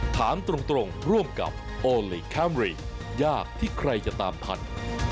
ถามตรงร่วมกับโอลี่คัมรี่ยากที่ใครจะตามทัน